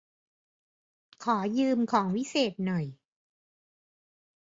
ขอยืมของวิเศษหน่อย